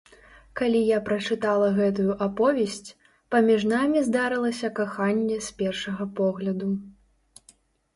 Калі я прачытала гэтую аповесць, паміж намі здарылася каханне з першага погляду.